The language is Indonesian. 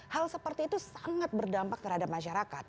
hal seperti itu sangat berdampak terhadap masyarakat